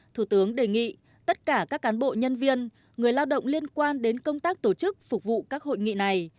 thủ tướng đề nghị tất cả các cán bộ nhân viên người lao động liên quan đến công tác tổ chức phục vụ các hội nghị này